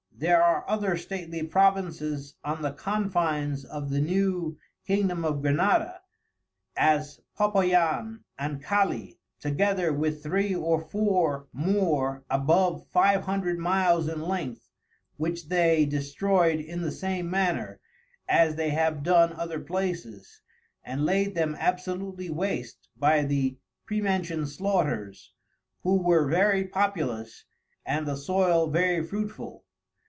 There are other stately Provinces on the Confines of the New Kindgom of Granada, as Popayan and Cali, together with three or four more above five hundred miles in length, which they destroyed, in the same manner, as they have done other places, and laid them absolutely waste by the prementioned Slaughters, who were very Populous, and the Soil very Fruitful.